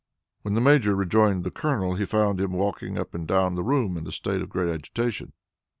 When the Major rejoined the Colonel, he found him walking up and down the room in a state of great agitation.